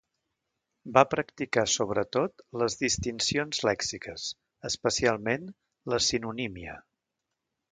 Va practicar sobretot les distincions lèxiques, especialment la sinonímia.